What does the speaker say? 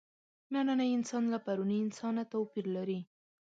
نننی انسان له پروني انسانه توپیر لري.